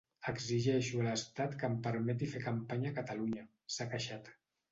Exigeixo a l’estat que em permeti fer campanya a Catalunya, s’ha queixat.